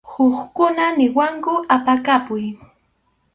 Hukkuna niwanku apakapuy.